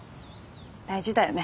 大事だよね